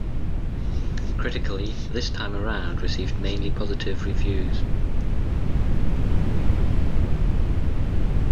Critically, "This Time Around" received mainly positive reviews.